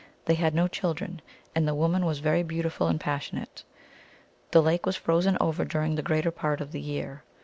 They had no children, and the woman was very beautiful and passionate. The lake was frozen over during the greater part of the year.